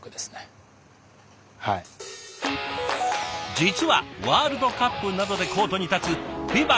実はワールドカップなどでコートに立つＦＩＢＡ